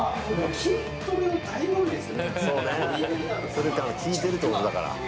そうね、それって効いてるってことだから。